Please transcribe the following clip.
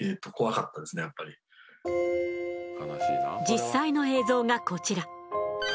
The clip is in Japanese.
実際の映像がこちら。